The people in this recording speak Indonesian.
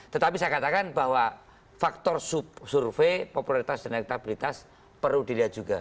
tetapi saya katakan bahwa faktor survei popularitas dan elektabilitas perlu dilihat juga